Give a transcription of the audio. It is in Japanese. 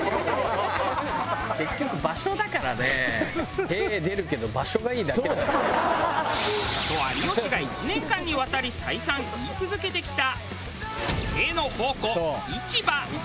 結局場所だからね。と有吉が１年間にわたり再三言い続けてきた「へぇ」の宝庫市場。